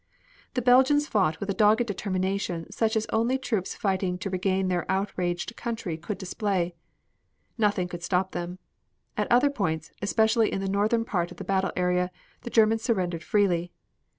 The Belgians fought with a dogged determination such as only troops fighting to regain their outraged country could display. Nothing could stop them. At other points, especially in the northern part of the battle area, the Germans surrendered freely.